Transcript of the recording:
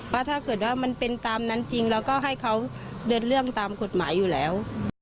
ถ้าเกิดว่ามันเป็นตามนั้นจริงเราก็ให้เขาเดินเรื่องตามกฎหมายอยู่แล้ว